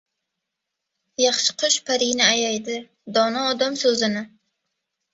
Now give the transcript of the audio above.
• Yaxshi qush parini ayaydi, dono odam — so‘zini.